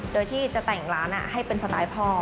โดยที่จะแต่งร้านให้เป็นสไตล์พ่อ